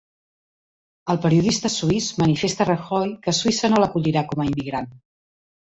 El periodista suís manifesta a Rajoy que Suïssa no l'acolliria com a immigrant